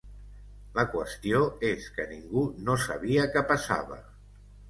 La qüestió és que ningú no sabia què passava.